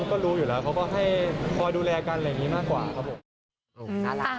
ต้องการของ